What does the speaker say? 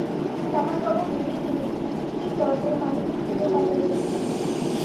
জামাইবাবু বেরিয়ে গেলেই খিড়কির দরজায় মালীদের ফুলের বাজার বসে যায়।